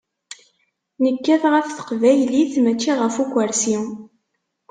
Nekkat ɣef teqbaylit, mačči ɣef ukersi.